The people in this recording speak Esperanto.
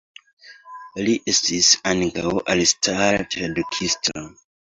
Li estis ankaŭ elstara tradukisto.